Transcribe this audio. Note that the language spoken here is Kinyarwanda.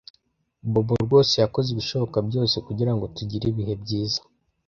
Bobo rwose yakoze ibishoboka byose kugirango tugire ibihe byiza.